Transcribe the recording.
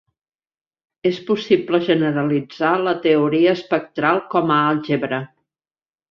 És possible generalitzar la teoria espectral com a àlgebra.